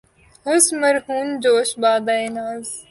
حسن مرہون جوش بادۂ ناز